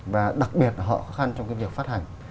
và đặc biệt họ khó khăn trong việc phát hành